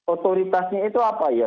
otoritasnya itu apa ya